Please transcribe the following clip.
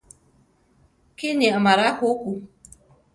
Kíni amará juku.